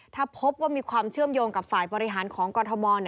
ถ้าพบว่ามีความเชื่อมโยงกับฝ่ายบริหารของกรทม